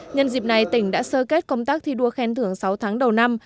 nhân dịp này tỉnh đã sơ kết công tác thi đua khen thưởng sáu tháng đầu năm